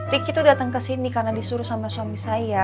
riki datang ke sini karena disuruh sama suami saya